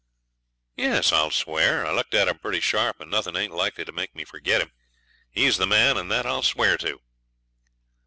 'Yes; I'll swear. I looked at him pretty sharp, and nothing ain't likely to make me forget him. He's the man, and that I'll swear to.'